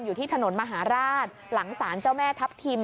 อยู่ที่ถนนมหาราชหลังศาลเจ้าแม่ทัพทิม